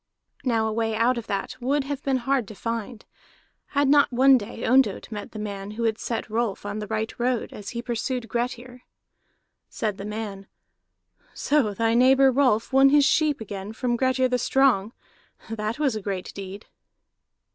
Now a way out of that would have been hard to find, had not one day Ondott met that man who had set Rolf on the right road as he pursued Grettir. Said the man: "So thy neighbor Rolf won his sheep again from Grettir the Strong. That was a great deed!"